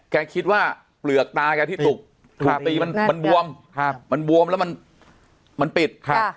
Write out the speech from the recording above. แกคิดว่าเปลือกตาแกที่ถูกตีมันบวมมันบวมแล้วมันปิด